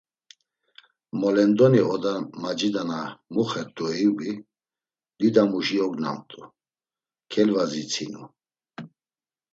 Molendoni oda macida na muxert̆u Eyubi didamuşi ognamt̆u; kelvazitsinu.